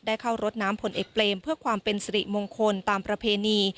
เข้ารดน้ำผลเอกเปรมเพื่อความเป็นสิริมงคลตามประเพณี